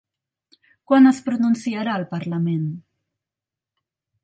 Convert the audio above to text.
Quan es pronunciarà el parlament?